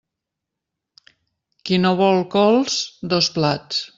Qui no vol cols, dos plats.